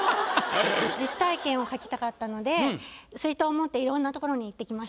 実体験を書きたかったので水筒持っていろんな所に行ってきました。